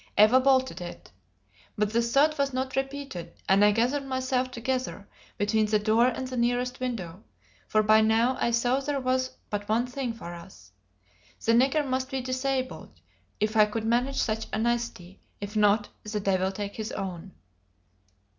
Eva bolted it. But the thud was not repeated, and I gathered myself together between the door and the nearest window, for by now I saw there was but one thing for us. The nigger must be disabled, if I could manage such a nicety; if not, the devil take his own.